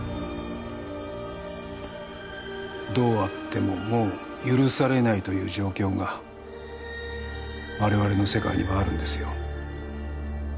どうあってももう許されないという状況が我々の世界にはあるんですよ